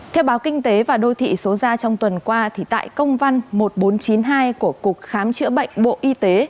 theo báo kinh tế và đô thị số ra trong tuần qua tại công văn một nghìn bốn trăm chín mươi hai của cục khám chữa bệnh bộ y tế